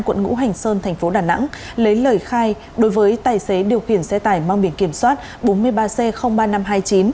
quận ngũ hành sơn thành phố đà nẵng lấy lời khai đối với tài xế điều khiển xe tải mang biển kiểm soát bốn mươi ba c ba nghìn năm trăm hai mươi chín